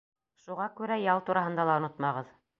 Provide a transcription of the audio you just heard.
Шуға күрә ял тураһында ла онотмағыҙ.